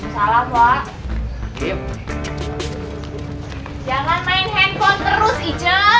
jangan main handphone terus ijo